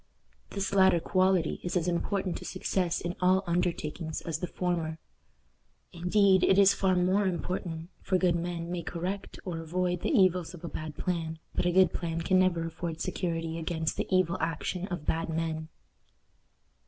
This latter quality is as important to success in all undertakings as the former. Indeed, it is far more important, for good men may correct or avoid the evils of a bad plan, but a good plan can never afford security against the evil action of bad men.